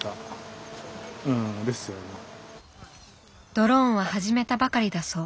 ドローンは始めたばかりだそう。